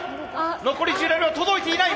残り１７秒届いていない！